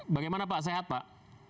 bagaimana pak sehat pak